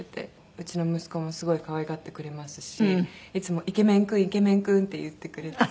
うちの息子もすごい可愛がってくれますしいつも「イケメン君イケメン君」って言ってくれてて。